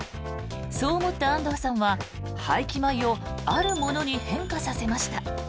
そう思った安藤さんは廃棄米をあるものに変化させました。